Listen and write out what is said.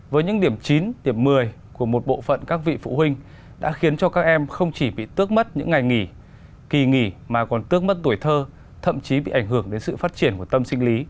về tình trạng của các em